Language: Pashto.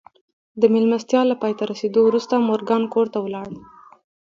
د مېلمستیا له پای ته رسېدو وروسته مورګان کور ته ولاړ